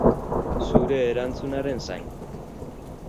Zuen erantzunaren zain.